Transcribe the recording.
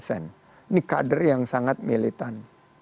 ini kader yang sangat militan